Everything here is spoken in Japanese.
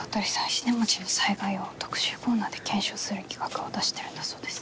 石音町の災害を特集コーナーで検証する企画を出してるんだそうです。